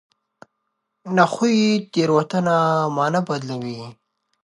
نحوي تېروتنه مانا بدلوي.